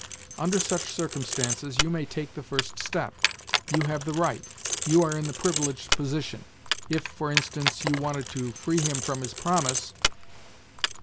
... Under such circumstances you may take the first step ; you have the right ; you are in the privileged position if, for instance, you wanted to free him from his promise.